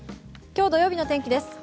今日土曜日の天気です。